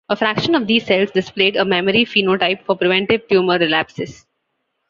A fraction of these cells displayed a memory phenotype for preventive tumor relapses.